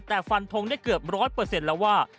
แต่ฟันทงได้เกือบร้อยเปอร์เซ็นต์แล้วว่า